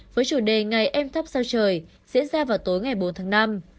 với chủ đề ngày em thắp sao trời diễn ra vào tối ngày bốn tháng năm